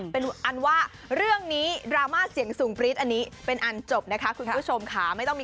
เป็นอันว่าเรื่องนี้ดราม่าเสียงสูงปริศเป็นอันจบนะคะคุณผู้ชมค่ะ